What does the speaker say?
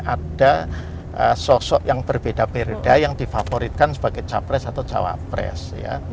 ada sosok yang berbeda beda yang difavoritkan sebagai capres atau cawapres